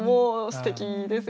すてきです。